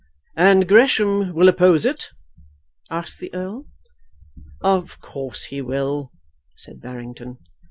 "And Gresham will oppose it?" asked the Earl. "Of course he will," said Barrington.